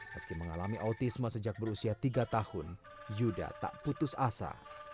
meski mengalami autisme sejak berusia tiga tahun yuda tak putus asa